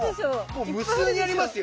もう無数にありますよ！